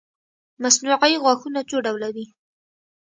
مصنوعي غاښونه څو ډوله وي